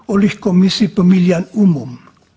oleh komisi pemilihan umum